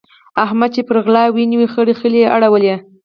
احمد چې يې پر غلا ونيو؛ خړې خړې يې اړولې.